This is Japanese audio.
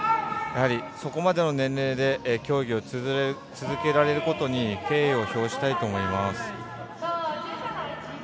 やはり、そこまでの年齢で競技を続けられることに敬意を表したいと思います。